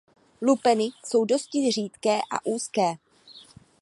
Lupeny jsou dosti řídké a úzké.